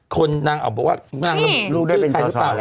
คนนางออกบอกว่าลูกได้เป็นสตอะไรอย่างนี้